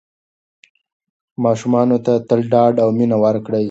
ماشومانو ته تل ډاډ او مینه ورکړئ.